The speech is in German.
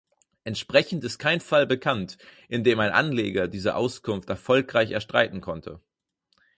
Entsprechend ist kein Fall bekannt, in dem ein Anleger diese Auskunft erfolgreich erstreiten konnte.